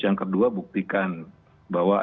yang kedua buktikan bahwa